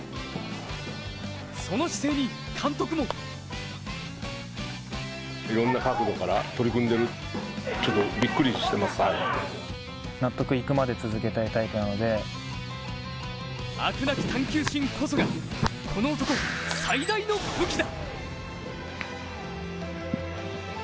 その姿勢に監督も飽くなき探究心こそがこの男最大の武器だ。